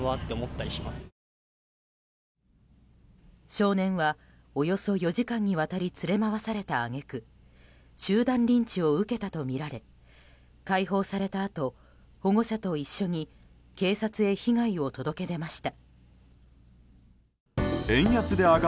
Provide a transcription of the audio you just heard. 少年はおよそ４時間にわたり連れ回された揚げ句集団リンチを受けたとみられ解放されたあと保護者と一緒に警察へ被害を届け出ました。